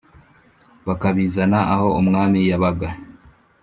bakabizana aho umwami yabaga